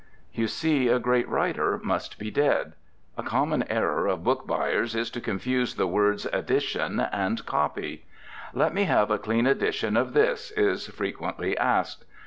You see, a great writer must be dead. A common error of book buyers is to confuse the words edition and copy. "Let me have a clean edition of this," is frequently asked.